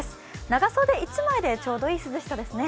長袖１枚でちょうどいい涼しさですね。